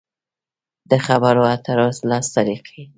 د خبرو اترو لس طریقې: